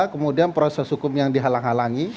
kemudian proses hukum yang dihalang halangi